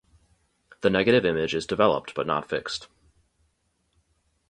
The negative image is developed but not fixed.